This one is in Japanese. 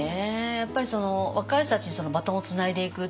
やっぱり若い人たちにバトンをつないでいくっていう。